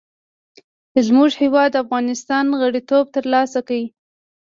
زموږ هېواد افغانستان غړیتوب تر لاسه کړ.